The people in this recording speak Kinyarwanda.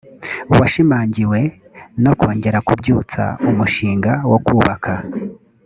washimangiwe no kongera kubyutsa umushinga wo kubaka